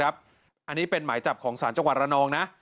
อันนี้เป็นหมายจับของศาลจังหวัดระนองนะ